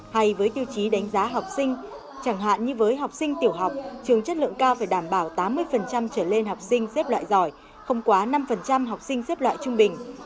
hay với tiêu chí đánh giá học sinh chẳng hạn như với học sinh tiểu học trường chất lượng cao phải đảm bảo tám mươi trở lên học sinh xếp loại giỏi không quá năm học sinh xếp loại trung bình